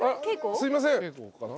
すいません。